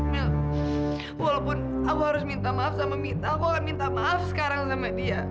nah walaupun aku harus minta maaf sama mita aku akan minta maaf sekarang sama dia